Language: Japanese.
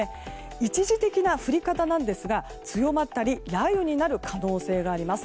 一時的な降り方なんですが強まったり雷雨になる可能性があります。